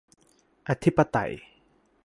อธิปไตย